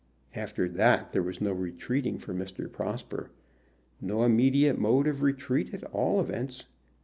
After that there was no retreating for Mr. Prosper, no immediate mode of retreat, at all events.